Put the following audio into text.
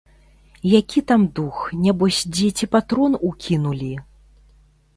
Які там дух, нябось дзеці патрон укінулі.